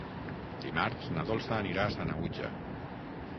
Dimarts na Dolça anirà a Sanaüja.